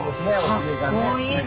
かっこいい。